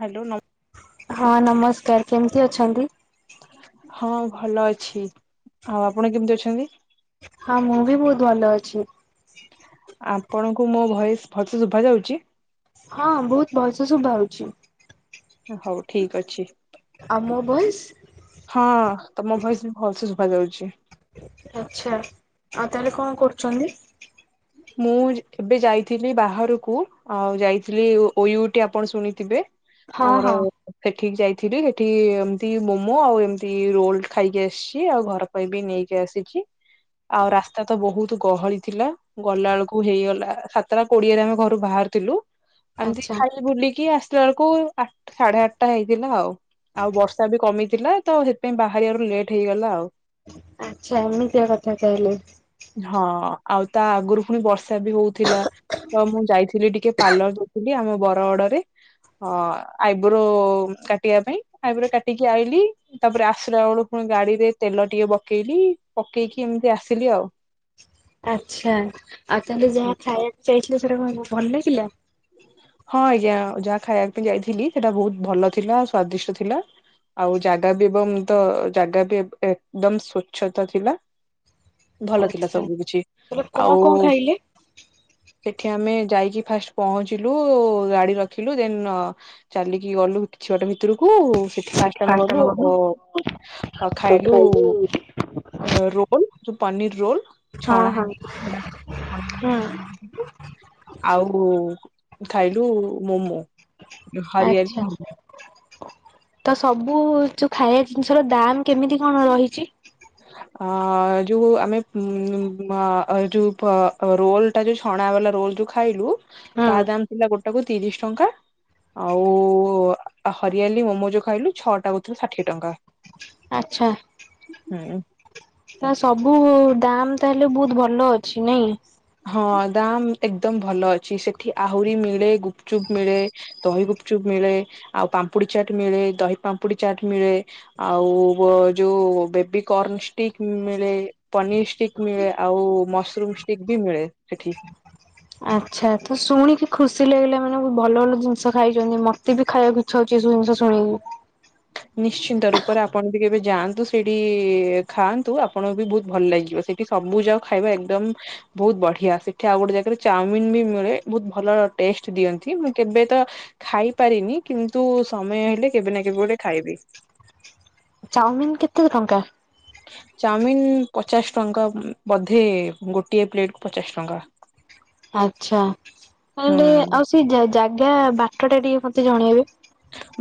Hello ନମ୍ ହଁ ନମସ୍କାର କେମିତି ଅଛନ୍ତି? ହଁ ଭଲ ଅଛି ଆଉ ଆପଣ କେମିତି ଅଛନ୍ତି? ହଁ ମୁଁ ବି ବୋହୁତ ଭଲ ଅଛି। ଆପଣଙ୍କୁ ମୋ ଭଏସ ଭଲସେ ଶୁଭା ଯାଉଚି? ହଁ ବୋହୁତ ଭଲସେ ଶୁଭା ହୋଉଛି। ହୋଉ ଠିକ ଅଛି ମୋ ଭଏସ ହଁ ତମ ଭୟସ ବି ଭଲ ଶୁ ଭାଯାଉଛି। ଚଣ୍ଡୀ ମୁଁ ଏବେ ଯାଇଥିଲି ବାହାରକୁ ଆଉ ଯାଇଥିଲି ଓ ଓ ୟୁ ଟି ଆପଣ ଶୁଣିଥିବେ? ହଁ ଆମର ହଁ ସେଠିକି ଯାଇ ଥିଲି। ହେଠି ଏମତି ମୋମୋ, ଆଉ ଏମିତି ରୋଲ ଖାଇକି ଆସିଛି। ଆଉ ଘର ପାଇଁ ବି ନେଇକି ଆସିଛି। ଆଉ ରାସ୍ତା ତ ବହୁତ ଗହଳି ଥିଲା। ଗଲା ଅଳକୁ ହେଇଗଲା, ସାତଟା କୋଡିଏରେ ଆମେ ଘରୁ ବାହାରଥିଲୁ। ଏମିତି ଆଚ୍ଛା ଖାଇ ବୁଲିକି ଆସିଲା ବେଳକୁ, ଆଠ୍ ସାଢେ ଆଠଟା ହେଇଥିଲା ଆଉ। ଆଉ ବର୍ଷା ବି କମିଥିଲା, ତ ସେଥିପାଇଁ ବାହାରିବାରୁ ଲେଟ ହେଇଗଲା ଆଉ। ଆଚ୍ଛା, ଏମିତିଆ କଥା ତାହେଲେ! ହଁ ଆଉ ତା ଆଗରୁ ପୁଣି ବର୍ଷା ବି ହଉଥିଲା। ତ ମୁଁ ଯାଇଥିଲି ଟିକେ, ପାର୍ଲର ଯାଇଥିଲି ଆମ ବରଗଡରେ। ହଁ, ଆଇବ୍ରୋ କାଟିବା ପାଇଁ ଆଇବ୍ରୋ କାଟିକି ଆଇଲି। ତା'ପରେ ଆସିଲା ବେଳକୁ ଫୁଣ ମୁଁ ଗାଡିରେ ତେଲଟିଏ ପକେଇଲି। ପକେଇକି ଏମିତି ଆସିଲି ଆଉ। ଆଛା, ଆଉ ତାହଲେ ଯାହା ଖାଇବାକୁ ଯାଇଥିଲେ, ସେଟା କଣ ଭଲ ଲାଗିଲା? ହଁ ଆଜ୍ଞା, ଯାହା ଖାଇବାକୁ ପାଇଁ ଯାଇଥିଲି, ସେଟା ବହୁତ ଭଲ ଥିଲା ସ୍ଵାଦିଷ୍ଟ ଥିଲା। ଆଉ ଜାଗା ବି ଏବଂ ତ ଜାଗା ବି ଏବ୍ ଏକଦମ୍ ସ୍ଵଚ୍ଛତା ଥିଲା। ଭଲ ଥିଲା ଆଚ୍ଛା ସବୁ କିଛି। ତାହେଲେ କଣ ଆଉ କଣ ଖାଇଲେ? ସେଠି ଆମେ ଯାଇକି ଫାଷ୍ଟ ପହଞ୍ଚିଲୁ। ଗାଡି ରଖିଲୁ, ଦେନ୍ ଚାଲିକି ଗଲୁ କିଛବାଟ ଭିତରକୁ ସେଠି ଫାଷ୍ଟ ଆମେ ଗଲୁ ଓ ଆଉ ଆ ଖାଇଲୁ ଖାଇଲି ରୋଲ ପନୀର୍ ରୋଲ। ହଁ ଛଣା ହଁ ହେଇକି ଥିଲା ହୁଁ [inaudible] ଆଉ ଖାଇଲୁ ମୋମୋ। ହରିଆଲି ଆଚ୍ଛା। ମମ। ତ ସବୁ-ଉ ଯୋଉ ଖାଇବା ଜିନିଷ ର ଦାମ୍ କେମିତି କଣ ରହିଛି? ଆ-ଆ ଯୋଉ ଆମେ ଉମ୍-ମ ଯୋଉ ପ ରୋଲ୍ ଟା ଯୋଉ ଛଣା ଅ ହେଲା ରୋଲ୍ ଯଉ ଖାଇଲୁ, ହୁଁ ତା ଦାମ ଥିଲା ଗୋଟାକୁ ତିରିଶ ଟଙ୍କା। ଆଉ-ଉ, ହରିଆଲି ମୋମୋ ଯୋଉ ଖାଇଲୁ, ଛଅ ଟା କୁ ଥିରା ଷାଠିଏ ଟଙ୍କା। ଆଛା, ହୁଁ ତ ସବୁ-ଉ ଦାମ ତାହେଲେ, ବହୁତ ଭଲ ଅଛି ନାଇଁ। ହଁ, ଦାମ ଏକଦମ ଭଲ ଅଛି। ସେଠି ଆହୁରି ମିଳେ, ଗୁପଚୁପ ମିଳେ, ଦହି ଗୁପ୍ ଚୁପ୍ ମିଳେ, ଆଉ ପାମ୍ପୁଡି ଚାଟ ମିଳେ, ଦହି ପାମ୍ପୁଡି ଚାଟ ମିଳେ, ଆଉ ଯୋଉ ବେବିିକର୍ଣ ଷ୍ଟିକ ମିଳେ, ପନିର ଷ୍ଟିକ୍ ମିଳେ, ଆଉ ମସରୁମ୍ ଷ୍ଟିକ ବି ମିଳେ ସେଠି। ଆଚ୍ଛା, ତ ଶୁଣିକି ଖୁସି ଲାଗିଲା ମାନେ ଭଲ ଭଲ ଜିନିଷ ଖାଇଛନ୍ତି। ମତେ ବି ଖାଇବାକୁ ଇଚ୍ଛା ହଉଛି। ଯଉ ଇନ୍ସ ଶୁଣିକି। ନିଶ୍ଚିନ୍ତ ରୂପରେ ଆପଣ କେବେ ଯାଆନ୍ତୁ, ସେଇଠି-ଇ ଖାଆନ୍ତୁ। ଆପଣଙ୍କୁ ବି ବହୁତ ଭଲ ଲାଗିବ। ସେଠି ସବୁ ଯାକ ଖାଇବା ଏକଦମ୍ ବହୁତ ବଢିଆ! ସେଠି ଆଉ ଗୋଟେ ଜାଗାରେ ଚାଉମିନ ବି ମିଳେ। ବହୁତ ଭଲ ଟେଷ୍ଟ ଦିଅନ୍ତି। ମୁଁ କେବେ ତ ମୁଁ ଖାଇପାରିନି। କିନ୍ତୁ ସମୟ ହେଲେ କେବେ ନା କେବେ ଗୋଟେ ଖାଇବି? ଚାଉମିିନ୍ କେତେ ଟଙ୍କା? ଚାଓମିିନ୍ ପଚାଶ ଟଙ୍କା ବଧେ-ଏ, ଗୋଟିଏ ପ୍ଲେଟକୁ ପଚାଶ ଟଙ୍କା। ଆଛା, ତାଲେ ହୁଁ। ଆଉ ସେ ଜାଗା ବାଟ ଟା ଟିକେ ମତେ ଜଣେଇବେ।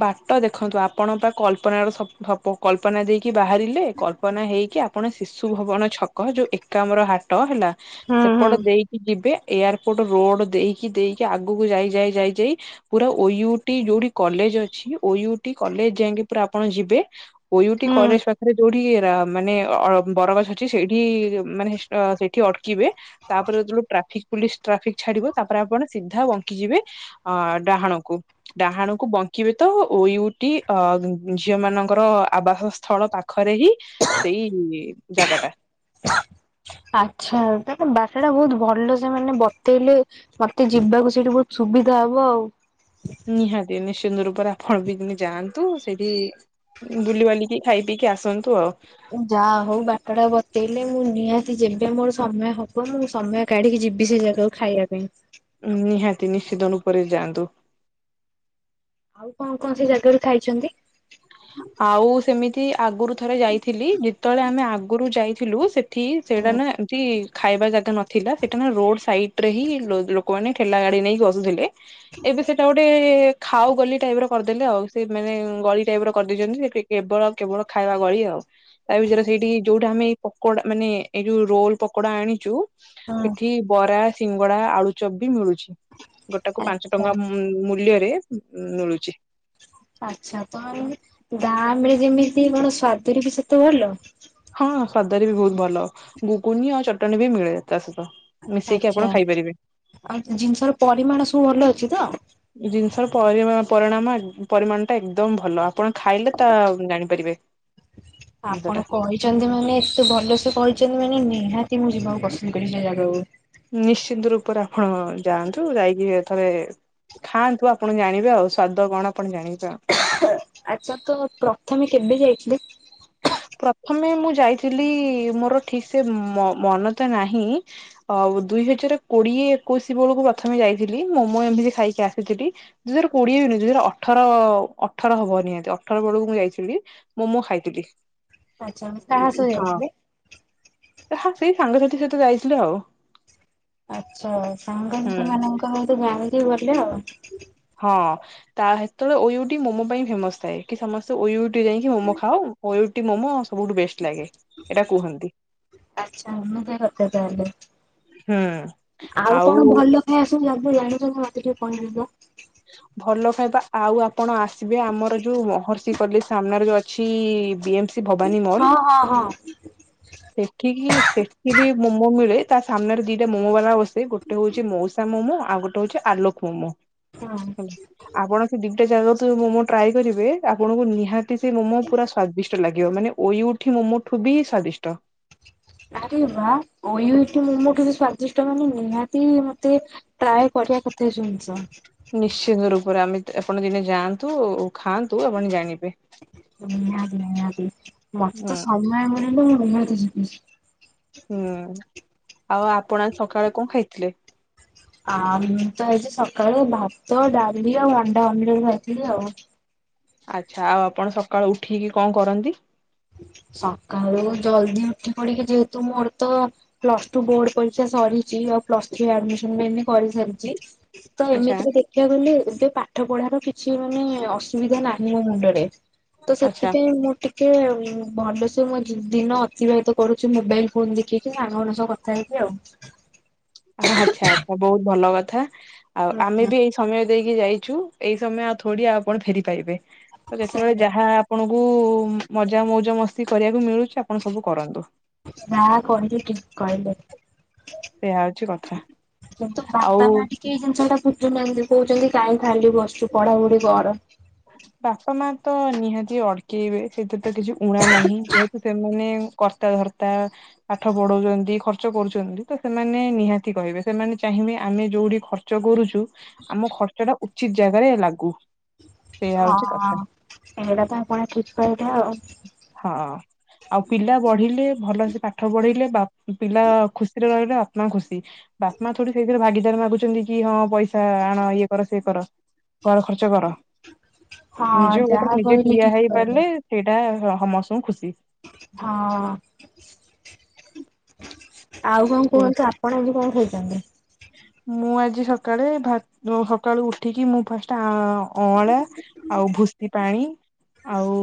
ବାଟ ଦେଖନ୍ତୁ, ଆପଣ ପା କଳ୍ପନାର ସ ସପୁ କଳ୍ପନା ଦେଇକି ବାହାରିଲେ। କଳ୍ପନା ହେଇକି ଆପ୍ ଆପଣ ଶିଶୁ ଭବନ ଛକ, ଯୋଉ ଏକାମ୍ର ହାଟ ହେଲା, ହୁଁ ହୁଁ ସେପଟ ଦେଇକି ଯିବେ ଏୟାରପୋର୍ଟ ରୋଡ୍ ଦେଇକି ଦେଇକି, ଆଗକୁ ଯାଇ ଯାଇ ଯାଇ ଯାଇ ପୁରା ଓ ୟୁ ଟି ଯୋଉଠି କଲେଜ ଅଛି, ଓ ୟୁ ଟି କଲେଜ ଯାଇକି ପୁରା ଆପଣ ଯିବେ। ଓ ୟୁ ଟି ହୁଁ କଲେଜ ପାଖରେ ଯୋଉଟି ଠି ର ମାନେ ଅ ବରଗଛ ଅଛି। ସେଇଠି-ଇ ମାନେ ସେଠି ଅଟ୍ କିବେ, ତା'ପରେ ଯେତେବେଳୁ ଟ୍ରାଫିକ୍ ପୁଲିସ ଟ୍ରାଫିକ୍ ଛାଡିବ। ତା'ପରେ ଆପଣ ସିଧା ବଙ୍କି ଯିବେ, ଅ ଡାହାଣକୁ। ଡାହାଣ କୁ ବଙ୍କିବେ ତ, ଓ ୟୁ ଟି ଅ ଝିଅ ମାନଙ୍କର ଆବାସ ସ୍ଥଳ ପାଖରେ ହି ସେଇ-ଇ ଜାଗାଟା। ଆଚ୍ଛା, ତା ବାଟ ଟା ବହୁତ ଭଲ ସେ ମାନେ ବତେଇଲେ, ମତେ ଯିବାକୁ ସେଇଠି ବହୁତ ସୁ ସୁବିଧା ହବ ଆଉ। ନିହାତି ନିଶ୍ଚିନ୍ତ ରୂପରେ ଆପଣ ବି ଦିନେ ଯାଆନ୍ତୁ ସେଇଠି ବୁଲିିବାଲିକି ଖାଇପିଇକି ଆସନ୍ତୁ ଆଉ। ଯା ହଉ ବାଟଟା ବତେଇଲେ। ମୁଁ ନିହାତି ଯେବେ ମୋର ସମୟ ହବ ମୁଁ ସମୟ କାଢିକି ଯିବି ସେ ଜାଗାକୁ ଖାଇବା ପାଇଁ। ନିହାତି ନିଶ୍ଚିତ ରୁପରେ ଯାଆନ୍ତୁ। ଆଉ କଣ କଣ ସେ ଜାଗାରୁ ଖାଇଛନ୍ତି? ଆଉ ସେମିତି ଆଗରୁ ଥରେ ଯାଇଥିଲି ଯେତେବେଳେ ଆମେ ଆଗରୁ ଯାଇଥିଲୁ ସେ ଠି ସେଇଟା ହୁଁ ନା ଏମତି ଖାଇବା ଜାଗା ନଥିଲା ସେଇଟା ନା ରୋଡ ସାଇଟରେ ହିଁ ଲୋକମାନେ ଠେଲା ଗାଡି ନେଇକି ବସୁଥିଲେ ଏବେ ସେଇଟା ଗୋଟେ ଖାଉ ଗଲି ଟାଇପ ର କରିଦେଲେ ଆଉ ସେ ମାନେ ଗଳି ଟାଇପର କରିଦେଇଛନ୍ତି କେବଳ କେବଳ ଖାଇବା ଗଳି ଆଉ ତା ଭିତରେ ସେଇଠି ଯୋଉଟା ଆମେ ପକଡା ମାନେ ଏଇ ଯୋଉ ରୋଲ ପକୋଡା ଆଣିଛୁ ହଁ। ସେଠି ବରା ସିଙ୍ଗଡା ଆଳୁଚପ ବି ମିଳୁଛି। ଗୋଟାକୁ ପାଞ୍ଚ ଆଚ୍ଛା ଟଙ୍କା ମୂଲ୍ୟରେ ମିଳୁଛି। ଆଚ୍ଛା ତ। ମାନେ ଦାମରେ ଯେମିତି କଣ ସ୍ଵାଦରେ ବି ସେତେ ଭଲ? ହଁ ସ୍ୱାଦରେ ବି ବହୁତ ଭଲ ଗୁଗୁନି ଆଉ ଚଟଣି ବି ମିଳେ ତା ସହିତ। ମିଶେଇକି ଆପଣ ଆଚ୍ଛା ଖାଇପାରିବେ। ଆଉ ଜିନିଷର ପରିମାଣ ସବୁ ଭଲ ଅଛି ତ। ଜିନିଷର ପରିଣାମ ପରିମାଣଟା ଏକଦମ ଭଲ ଆପଣ ଖାଇଲେ ତା ଜାଣିପାରିବେ। ଜିନିଷଟା। ଆପଣ କହିଛନ୍ତି ମାନେ ଏତେ ଭଲସେ କହିଛନ୍ତି ମାନେ ନିହାତି ମୁଁ ଯିବାକୁ ପସନ୍ଦ କରି ଜାଗାକୁ ନିଶ୍ଚିନ୍ତ ରୂପରେ ଆପଣ ଯାଆନ୍ତୁ ଯାଇକି ଥରେ ଖାଆନ୍ତୁ ଆପଣ ଜାଣିବେ ଆଉ ସ୍ଵାଦ କଣ ଆପଣ ଜାଣିବେ। ଆଉ। ଆଚ୍ଛା ତ ପ୍ରଥମେ କେବେ ଯାଇଥିଲେ? [inaudible] ପ୍ରଥମେ ମୁଁ ଯାଇଥିଲି ମୋର ଠିକ ସେ ମ ମନ ତ ନାହିଁ। ଦୁଇ ହଜାର କୋଡିଏ ଏକୋଇଶି ବେଳକୁ ପ୍ରଥମେ ଯାଇଥିଲି ମୋମୋ ଏମିତି ଖାଇକି ଆସିଥିଲି ଦୁଇ ହଜାର କୋଡିଏ ଦୁଇ ହଜାର ଅଠର ଅଠର ହବ ନିହାତି ଅଠର ବେଳକୁ ମୁଁ ଯାଇଥିଲି ମୋମୋ ଖାଇଥିଲି। ଆଚ୍ଛା କାହା ସହ ହଁ ଯାଇଥିଲେ? ହଁ ସେଇ ସାଙ୍ଗସାଥି ସହ ଯାଇଥିଲୁ ଆଉ। ଆଚ୍ଛା ହୁଁ। ସାଙ୍ଗସାଥୀମାନଙ୍କ ସତ ଜାଣିକି ଗଲେ ଆଉ। ହଁ ତା ସେତେବେଳେ ଓୟୁଇଟି ମୋମୋ ପାଇଁ ଫେମସ ଥାଏ କି ସମସ୍ତେ ଓୟୁଇଟି ଯାଇକି ମୋମୋ ଖାାଅ। ଓୟୁଇଟି ମୋମୋ ସବୁଠୁ ବେଷ୍ଟ ଲାଗେ ଏଇଟା କୁହନ୍ତି। ଆଚ୍ଛା ଏମିତି କଥା ତାହଲେ ହୁଁ ଆଉ କଣ ଭଲ ଖାଇବା ସବୁ ଯା ଜାଣିଛନ୍ତି ମତେ ଟିକେ କହିବେ ତ। ଭଲ ଖାଇବା ଆଉ ଆପଣ ଆସିବେ ଆମର ଯୋଉ ମହର୍ଷି କଲେଜ ସାମ୍ନାରେ ଯୋଉ ଅଛି ବି ଏମ ଭବାନୀ ମଲ ହଁ ହଁ ହଁ ସେଠିକି ସେଠି ବି ମୋମୋ ମିଳେ। ତା ସାମ୍ନରେ ଦିଟା ମୋମୋ ବାଲା ବସେ ଗୋଟେ ହଉଛି ମଉସା ମୋମୋ ଆଉ ଗୋଟେ ହଉଛି ଆ ଲୋପ ମୋମୋ ହଁ। ହେଲା, ଆପଣ ସେଠି ଗୋଟେ ଜାଗା ମମୋ ଟ୍ରାଏ କରିବେ ଆପଣଙ୍କୁ ନିହାତି ସେ ମୋମୋ ପୁରା ସ୍ୱାଦିଷ୍ଟ ଲାଗିବ ଅୟୁଠି ମୋମୋ ମୁଠୁ ବି ସ୍ଵାଦିଷ୍ଟ। ଆରେ ବା ଓୟୁଏଟି ମୋମୋ ଠୁ ବି ସ୍ଵାଦିଷ୍ଟ ମାନେ ନିହାତି ମତେ ଟ୍ରାଏ କରିବା କତେ ଜିନିଷ। ନିଶ୍ଚିନ୍ତ ରୂପରେ ଆମେ ଆପଣ ଦିନେ ଯାଆନ୍ତୁ ଆ ଖାଆନ୍ତୁ ଆପଣ ଜାଣିବେ। ନିହାତି ନିହାତି ହୁଁ ମୋତେ ସମୟ ମିଳିଲେ ମୁଁ ନିହାତି ଯିବି। ହୁଁ ଆଉ ଆପଣ ସକାଳେ କଣ ଖାଇଥିଲେ? ଆ ମୁଁ ତ ଆଜି ସକାଳେ ଭାତ ଡାଲି ଆଉ ଅଣ୍ଡା ଅମଲେଟ ଖାଇଥିଲି ଆଉ। ଆଚ୍ଛା ଆଉ ଆପଣ ସକାଳୁ ଉଠିକି କଣ କରନ୍ତି? ସକାଳୁ ଜଲଦି ଉଠି ପଡିକି ଯେହେତୁ ମୋର ତ ପ୍ଲସ ଟୁ ବୋର୍ଡ ପରୀକ୍ଷା ସରିଛି। ପ୍ଲସ୍ ଥ୍ରୀ ଆଡମିସନ ବି ଏଇନେ କରିସାରିଛି। ତ ଆଚ୍ଛା ଏମିତିରେ ଦେଖିବାକୁ ଗଲେ ଏବେ ପାଠ ପଢାର କିଛି ମାନେ ଅସୁବିଧା ନାହିଁ ମୋ ମୁଣ୍ଡରେ। ତ ଆଚ୍ଛା ସେଥିପାଇଁ ମୁଁ ଟିକେ ଭଲସେ ମୁଁ ଦିନ ଅତିବାହିତ କରୁଛି ମୋବାଇଲ ଫୋନ ଦେଖିକି ସାଙ୍ଗ ମାନଙ୍କ ସହ କଥା ହେଇକି ଆଉ। ଆଚ୍ଛା ଆଚ୍ଛା ବହୁତ ଭଲ କଥା। ଆଉ ଆମେ ହୁଁ ବି ଏଇ ସମୟ ଦେଇକି ଯାଇଛୁ। ଏଇ ସମୟ ଆଉ ଥୋଡି ଆଉ ଆପଣ ଫେରି ପାଇବେ ତ ଯେତେବେଳେ ସେଇ ଯାହା ଆପଣ ବୁ ମଜା ମଉଜ ମସ୍ତି କରିବାକୁ ମିଳୁଛି ଆପଣ ସବୁ କରନ୍ତୁ। ଯାହା କହିଲେ ଠିକ କହିଲେ। ଏହା ହଉଛି କଥା କିନ୍ତୁ ବାପା ଆଉ ମା ଟିକେ ଏଇ ଜିନିଷ ଟାକୁ ଝୁ ନାହାନ୍ତି କହୁଛନ୍ତି କାହିଁ ଖାଲି ବସୁଚୁ ପଢାପଢି କର। ବାପା ମା ତ ନିହାତି ଅଟକେଇବେ ସେଥିରେ ତ କିଛି ଊଣା ନାହିଁ ଯେହେତୁ ସେମାନେ କର୍ତ୍ତା ଧର୍ତ୍ତା ପାଠ ପଢଉଛନ୍ତି ଖର୍ଚ୍ଚ କରୁଛନ୍ତି ତ ସେମାନେ ନିହାତି କହିବେ ସେମାନେ ଚାହି ବେ ଆମେ ଯୋଉଠି ଖର୍ଚ୍ଚ କରୁଛୁ ଆମ ଖର୍ଚ୍ଚ ଟା ଉଚିତ ଜାଗାରେ ଲାଗୁ। ସେଇୟା ହଉଛି ହଁ କଥା ଏଇଟା ତ ଆପଣ ଠିକ୍ କହିଲେ ଆଉ। ହଁ ଆଉ ପିଲା ବଢିଲେ ଭଲ ପାଠ ପଢ଼ିଲେ ବା ପିଲା ଖୁସିରେ ରହିଲେ ବାପ୍ ମା ଖୁସି। ବାପା ମାଆ ଥୋଡ଼ି ସେଇଥିରେ ଭାଗିଦାର ମାଗୁଛନ୍ତି ଣିକି ହଁ ପଇସା ଆଣ ଇଏ କର ସିଏ କର ଘର ଖର୍ଚ୍ଚ କର। ହଁ ନିଜେ ଗୋଡ଼ରେ ଯାହା ନିଜେ କହିଲେ ଠିଆ ଠିକ ହେଇ କହିଲେ। ପାରିଲେ ସେଇଟା ସମସ୍ତଙ୍କୁ ଖୁସି। ହଁ। ଆଉ କଣ କୁହନ୍ତୁ ଆପଣ ଆଜି କଣ ଖାଇଛନ୍ତି? ମୁଁ ଆଜି ସକାଳେ ଭା ଯୋଉ ସକାଳୁ ଉଠିକି ମୁଁ ଫାଷ୍ଟ ଆମ୍ ଆ ଅଁଳା ଆଉ ଭୁସି ପାଣି ଆଉ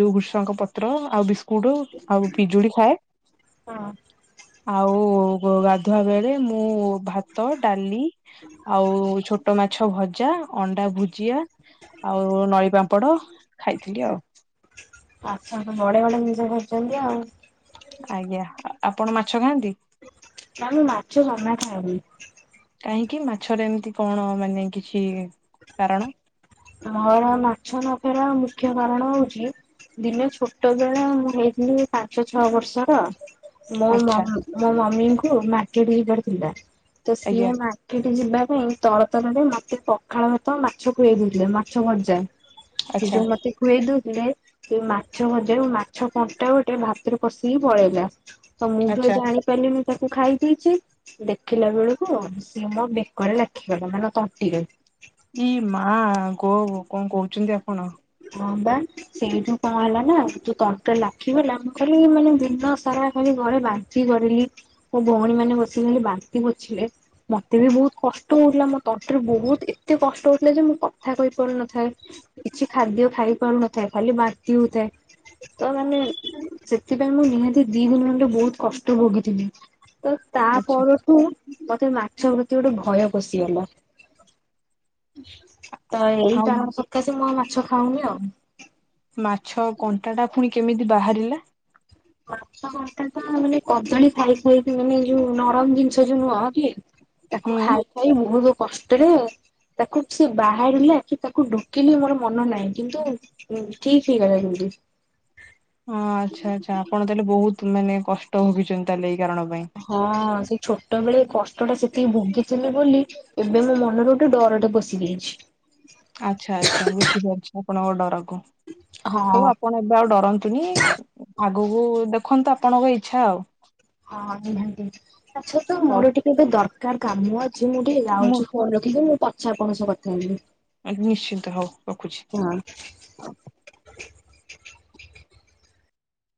ଯୋଉ ଭୁସ୍ ଙ୍କ ପତ୍ର ଆଉ ବିସ୍କୁଟ ଆଉ ପିଜୁଳି ଖାଏ। ହଁ ଆଉ ଗା-ଗାଧୁଆ ବେଳେ ମୁଁ ଭା ତ ଡାଲି ଆଉ ଛୋଟ ମାଛ ଭଜା ଅଣ୍ଡା ଭୁଜିଆ ଆଉ ନଈ ପାମ୍ପଡ ଖାଇଥିଲି ଆଉ। ଆଚ୍ଛା ବଢିଆ ବଢ଼ିଆ ଜିନିଷ ଖାଇଚନ୍ତି ଆଉ। ଆଜ୍ଞା ଆପଣ ମାଛ ଖାଆନ୍ତି? ତମେ ମାଛ ଜମା ଖାଅନି। କାହିଁକି ମାଛର ଏମତି କଣ ମାନେ କିଛି କାରଣ ମୋର ମାଛ ନଖାଇବାର ମୁଖ୍ୟ କାରଣ ହଉଛି ଦିନ ଛୋଟ ବେଳ ମୁଁ ହେଇଥିଲି ପାଞ୍ଚ ଛଅ ବର୍ଷର ମୋ ମ ଆଚ୍ଛା ମୋ ମମିଙ୍କୁ ମାର୍କେଟ ଯିବାର ଥିଲା ତ ସିଏ ଆଜ୍ଞା ମାର୍କେଟ ଯିବା ପାଇଁ ତର ତରରେ ମତେ ପଖାଳ ଭାତ ମାଛ ଖୁଏଇଦେଇ ଥିଲେ ମାଛ ଭଜା। ସିଏ ଆଚ୍ଛା ଯୋଉ ମତେ ଖୁଏଇଦୋ ରେ ସେ ମାଛ ଭଜାରୁ ମାଛ କଣ୍ଟା ଗୋଟେ ଭାତରେ ପଷିକି ପଳେଇଲା ତ ମୁଁ ଟିକେ ଆଚ୍ଛା ଜାଣିପାରିଲିନି ତାକୁ ଖାଇ ଦେଇଛି ଦେଖିଲା ବେଳକୁ ଆ ସିଏ ମୋ ବେକରେ ଲାକିଗଲା ମାନେ ତଣ୍ଟିରେ। ଇ ମା ଗୋ କଣ କହୁଛନ୍ତି ଆପଣ? ହଁ ବା ସେଇଠୁ କଣ ହେଲା ନା ତୁ ତଣ୍ଟି ରେ ଲାଖିଗଲା ମୁଁ ଖାଲି ମାନେ ଦିନ ସାରା ଖାଲି ଘରେ ବାନ୍ତି କରିଲି ମୋ ଭଉଣୀ ମାନେ ବସିିକି ବାନ୍ତି ପୋଛିଲେ ମତେ ବି ବହୁତ କଷ୍ଟ ହଉଥିଲା ମ ତଣ୍ଟିରେ ବହୁତ ଏତେ କଷ୍ଟ ହଉଥିଲା ଯେ ମୁଁ କଥା କହି ପାରୁନଥାଏ କିଛି ଖାଦ୍ୟ ଖାଇ ପାରୁନଥାଏ। ଖାଲି ବାନ୍ତି ହଉଥାଏ। ତ ମାନେ ସେଥିପାଇଁ ମୁଁ ନିହାତି ଦି ଦିନ ଖଣ୍ଡେ ବହୁତ କଷ୍ଟ ଭୋଗିଥିଲି। ତ ତା ଆଚ୍ଛା ପରଠୁ ମତେ ମାଛ ପ୍ରତି ଗୋଟେ ଭୟ ପସିିଗଲା। ତ ଆଉ ଏଇଟା ସକାଶେ ମୁଁ ଆଉ ମାଛ ଖାଉନି ଆଉ। ମାଛ କଣ୍ଟା ଟା ପୁଣି କେମିତି ବାହାରିଲା? ମାଛ କଣ୍ଟାଟା ମାନେ କଦଳୀ ଖାଇ ଖାଇକି ମାନେ ଯୋଉ ନରମ ଜିନିଷ ଯୋଉ ନୁହଁ କି? ହୁଁ ତାକୁ ଖାଇ ଖାଇ ବହୁତ କଷ୍ଟରେ ତାକୁ ସେ ବାହାରିଲା କି ତାକୁ ଢୋକିଲି ମୋର ମନ ନାହିଁ କିନ୍ତୁ ଠିକ ହେଇଗଲା ଦିଦି। ହଁ ଆଚ୍ଛା ଆଚ୍ଛା ଆପଣ ତାହେଲେ ବହୁତ ମାନେ କଷ୍ଟ ଭୋଗିଛନ୍ତି ତାହାଲେ ହଁ ସେଇ ଛୋଟ ଛୋଟବେଳେ କଷ୍ଟଟା ସେତିକି ଭୋଗିଥିଲି ବୋଲି ଏବେ ମୋ ମନରେ ଗୋଟେ ଡରଟେ ପଶି ଯାଇଛି। ଆଚ୍ଛା ଆଚ୍ଛା ବୁଝିପାରୁଛି ଆପଣଙ୍କ ଡର। ହଁ କଣ ହଉ ଆପଣ ଏବେ ଆଉ ଡରନ୍ତୁନି ଆଗକୁ ଦେଖ ଦେଖନ୍ତୁ ଆପଣଙ୍କ ଇଚ୍ଛା ଆଉ। ହଁ ନିହାତି ତାଛଡା ତ ହଉ ମୋର ଟିକେ ଏବେ ଦରକାର କାମ। ମୁଁ ଟିକେ ମୁଁ ଯାଉଛି ଫୋନ ରଖିକି ମୁଁ ପଛେ ଆପଣଙ୍କ ସହ କଥା ହେବି। ଆ ନିଶ୍ଚିନ୍ତ ହଉ ରଖୁଛି। ହଁ।